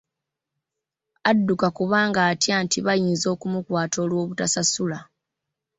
Adduka kubanga atya nti bayinza okumukwata olw'obutasasula.